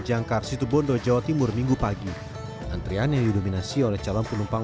jangkar situbondo jawa timur minggu pagi antrian yang didominasi oleh calon penumpang